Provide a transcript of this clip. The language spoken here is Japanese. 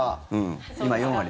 今、４割。